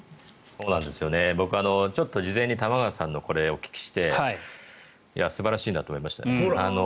僕、事前に玉川さんのこれをお聞きして素晴らしいなと思いました。